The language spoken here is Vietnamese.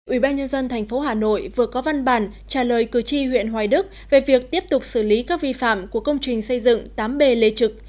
ủy ban nhân dân tp hà nội vừa có văn bản trả lời cử tri huyện hoài đức về việc tiếp tục xử lý các vi phạm của công trình xây dựng tám b lê trực